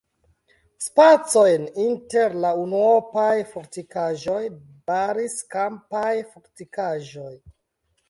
Spacojn inter la unuopaj fortikaĵoj baris kampaj fortikaĵoj.